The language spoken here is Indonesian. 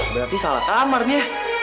berarti salah kamarnya